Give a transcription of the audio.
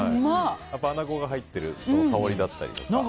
アナゴが入ってる香りだったりとか。